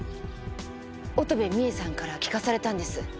乙部美栄さんから聞かされたんです。